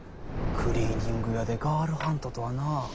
クリーニング屋でガールハントとはなあ。